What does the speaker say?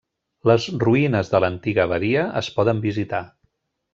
Les ruïnes de l'antiga abadia es poden visitar.